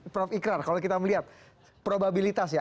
prof ikrar kalau kita melihat probabilitas ya